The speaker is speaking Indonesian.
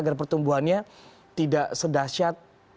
agar pertumbuhannya tidak sedasiat